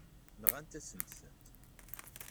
Nɣant-asent-tent.